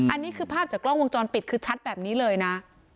อันนี้คือภาพจากกล้องวงจรปิดคือชัดแบบนี้เลยนะ